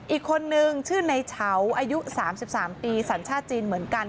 อีกคนนึงชื่อในเฉาอายุ๓๓ปีสัญชาติจีนเหมือนกัน